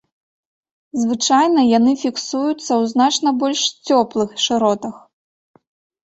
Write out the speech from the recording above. Звычайна яны фіксуюцца ў значна больш цёплых шыротах.